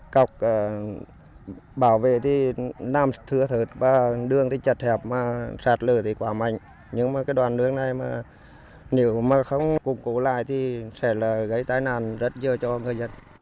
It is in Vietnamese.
cọc bảo vệ thì